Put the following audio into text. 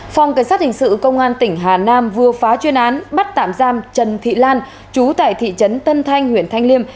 phòng cảnh sát hình sự công an tỉnh hà nam vừa phá chuyên án bắt tạm giam trần thị lan chú tại thị trấn tân thanh huyện thanh liêm